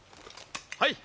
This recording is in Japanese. はい！